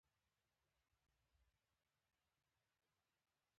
ښه نو اوس پاتې شوه د زړه د ماتېدو خبره.